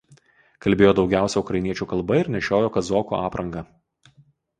Kalbėjo daugiausia ukrainiečių kalba ir nešiojo kazokų aprangą.